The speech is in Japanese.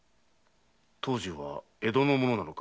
藤十は江戸の者なのか？